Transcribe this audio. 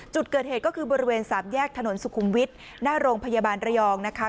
จุดเกิดเหตุก็คือบริเวณสามแยกถนนสุขุมวิทย์หน้าโรงพยาบาลระยองนะคะ